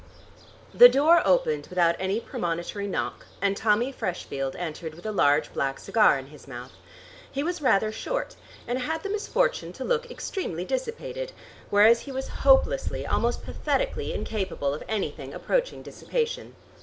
The door opened without any premonitory knock, and Tommy Freshfield entered with a large black cigar in his mouth. He was rather short, and had the misfortune to look extremely dissipated, whereas he was hopelessly, almost pathetically, incapable of anything approaching dissipation.